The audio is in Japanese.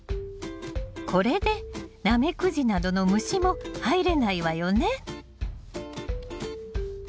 これでナメクジなどの虫も入れないわよね。